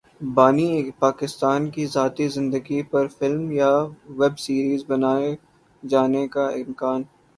بانی پاکستان کی ذاتی زندگی پر فلم یا ویب سیریز بنائے جانے کا امکان